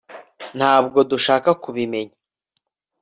ntabwo dushaka kubimenya